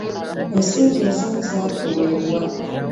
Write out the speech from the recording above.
Ensimbi ezimu zaatuweebwa.